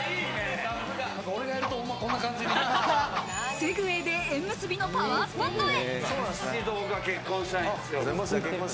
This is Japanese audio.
セグウェイで縁結びのパワースポットへ。